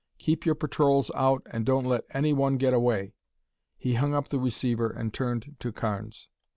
Keep your patrols out and don't let anyone get away." He hung up the receiver and turned to Carnes.